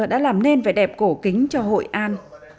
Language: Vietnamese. đã làm nên vẻ đẹp cổ kính cho hội an